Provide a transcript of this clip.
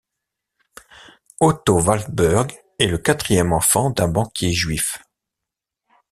Otto Wallburg est le quatrième enfant d'un banquier juif.